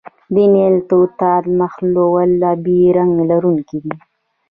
د نیل توتیا محلول آبی رنګ لرونکی دی.